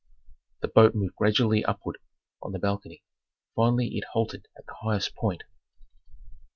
The boat moved gradually upward on the balcony; finally it halted at the highest point.